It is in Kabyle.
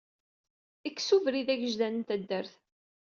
Ekk s ubrid agejdan n taddart.